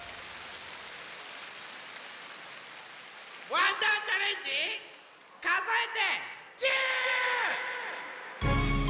「わんだーチャレンジかぞえて１０」！